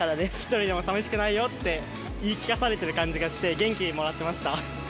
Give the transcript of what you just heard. １人でも寂しくないよって、言い聞かされてる感じがして、元気をもらってました。